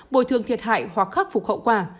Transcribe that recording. bồi thường thiệt hại hoặc khắc phục hậu quả